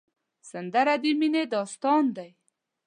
سندره د مینې داستان دی